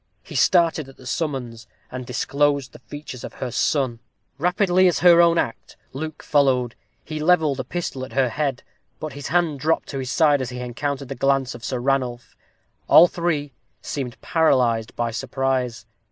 He started at the summons, and disclosed the features of her son! Rapidly as her own act, Luke followed. He levelled a pistol at her head, but his hand dropped to his side as he encountered the glance of Ranulph. All three seemed paralyzed by surprise.